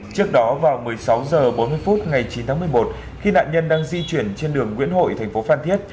trước đó vào một mươi sáu h bốn mươi phút ngày chín tháng một mươi một khi nạn nhân đang di chuyển trên đường nguyễn hội thành phố phan thiết